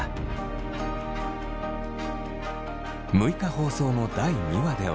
６日放送の第２話では。